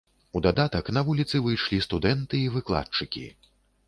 У дадатак на вуліцы выйшлі студэнты і выкладчыкі.